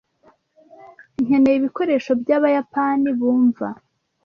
Nkeneye ibikoresho byabayapani bumva.